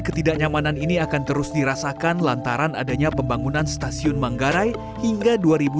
ketidaknyamanan ini akan terus dirasakan lantaran adanya pembangunan stasiun manggarai hingga dua ribu dua puluh